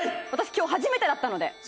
私今日初めてだったので。